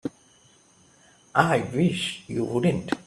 I wish you wouldn't.